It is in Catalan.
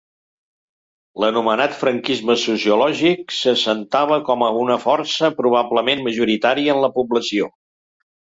L'anomenat franquisme sociològic s'assentava com a una força probablement majoritària en la població.